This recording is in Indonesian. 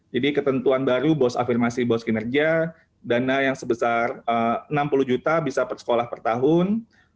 jadi ketentuan baru bos afirmasi dan bos kinerja dana yang sebesar rp enam puluh juta bisa persekolah per tahun